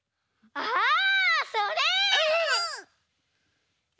あそれ！